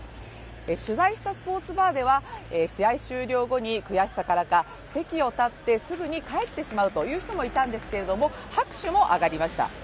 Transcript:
取材したスポーツバーでは試合終了後に悔しさからか、席を立って、すぐに帰ってしまう人もいたんですけれども、拍手も上がりました。